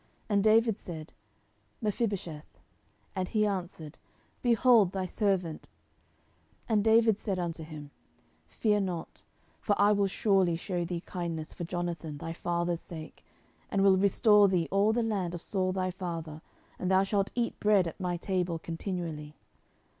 And David said, Mephibosheth. And he answered, Behold thy servant! 10:009:007 And David said unto him, Fear not: for I will surely shew thee kindness for Jonathan thy father's sake, and will restore thee all the land of Saul thy father; and thou shalt eat bread at my table continually.